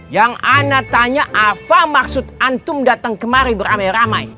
yang ana tanya apa maksud antum datang kemari beramai ramai